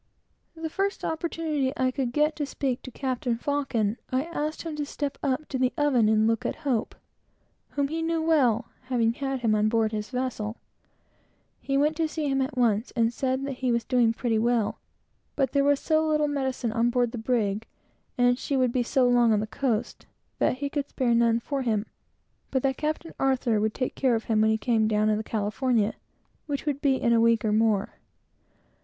The first opportunity I could get to speak to Captain Faucon, I asked him to step up to the oven and look at Hope, whom he knew well, having had him on board his vessel. He went to see him, but said that he had so little medicine, and expected to be so long on the coast, that he could do nothing for him, but that Captain Arthur would take care of him when he came down in the California, which would be in a week or more.